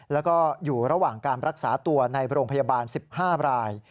แล้วก็อยู่ระหว่างการรักษาตัวในโรงพยาบาล๑๕ราย